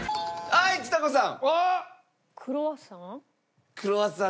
はいちさ子さん！